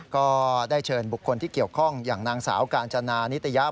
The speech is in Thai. ก็ได้เชิญบุคคลที่เกี่ยวข้องอย่างนางสาวกาญจนานิตยะ